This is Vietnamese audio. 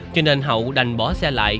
cho nên hậu đành bỏ xe lại